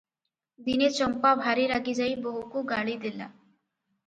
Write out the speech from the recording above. ଦିନେ ଚମ୍ପା ଭାରି ରାଗିଯାଇ ବୋହୂକୁ ଗାଳିଦେଲା ।